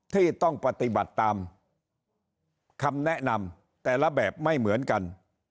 ที่ต้องปฏิบัติตามคำแนะนำแต่ละแบบไม่เหมือนกัน